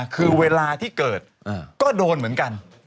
คือเวลาที่เกิดก็โดนเหมือนกัน